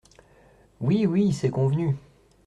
Oui, oui, c'est convenu …